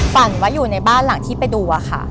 ฝันว่าอยู่ในบ้านหลังที่ไปดูอะค่ะ